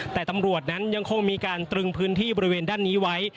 แต่ตำรวจนั้นยังคงมีการตรึงพื้นที่บริเวณด้านนี้ไว้